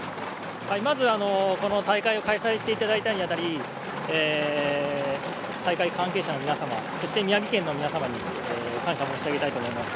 まず、この大会を開催していただくに当たり、大会関係者の皆様、そして宮城県の皆様に感謝申し上げたいと思います。